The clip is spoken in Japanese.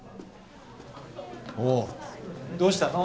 おうどうしたの？